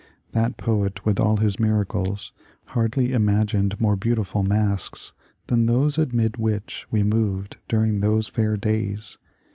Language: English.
That poet, with all his miracles, hardly imagined more beautiful masques than those amid which we moved .during those fair days.